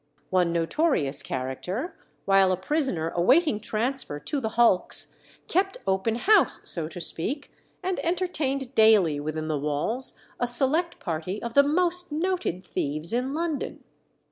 One notorious character, while a prisoner awaiting transfer to the hulks, kept open house, so to speak, and entertained daily within the walls a select party of the most noted thieves in London.